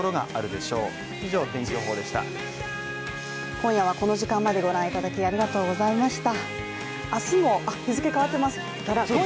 今夜はこの時間までご覧いただきありがとうございました